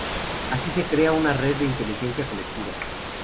Así se crea una red de inteligencia colectiva.